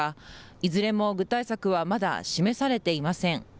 いずれも具体策はまだ示されていません。